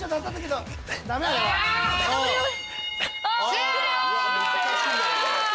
終了！